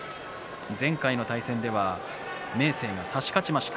前回の対戦では明生が差し勝ちました。